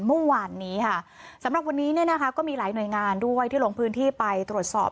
เมื่อวานนี้ค่ะสำหรับวันนี้เนี่ยนะคะก็มีหลายหน่วยงานด้วยที่ลงพื้นที่ไปตรวจสอบ